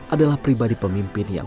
adalah pribadi pemimpin yang